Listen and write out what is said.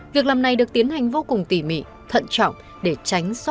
việc làm này được tiến hành vô cùng tỉ mị thận trọng để tránh xót lọt thảm oan